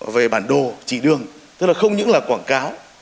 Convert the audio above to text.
về bản đồ trị đường thế là không những là quảng cáo